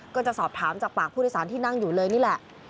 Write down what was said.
ก็จะสอบถามจากปากผู้โดยสารที่นั่งอยู่เลยนี่แหละ